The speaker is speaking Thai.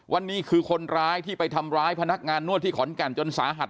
นี่คือคนร้ายที่ไปทำร้ายพนักงานนวดที่ขอนแก่นจนสาหัส